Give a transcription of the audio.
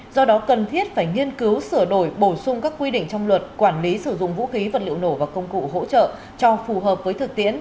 do đó cần thiết phải nghiên cứu sửa đổi bổ sung các quy định trong luật quản lý sử dụng vũ khí vật liệu nổ và công cụ hỗ trợ cho phù hợp với thực tiễn